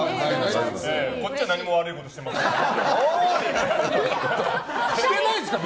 こっちは何も悪いことしていませんから。